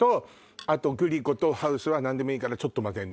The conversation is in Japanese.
あとグリコとハウスは何でもいいからちょっと混ぜる。